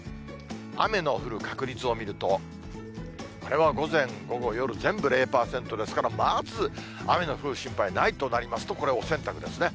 雨の降る確率を見ると、これは午前、午後、夜、全部０％ですから、まず雨の降る心配ないとなりますと、これ、お洗濯ですね。